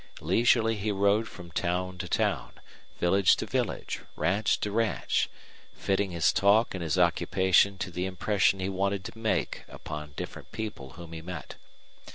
Leisurely he rode from town to town, village to village, ranch to ranch, fitting his talk and his occupation to the impression he wanted to make upon different people whom he met.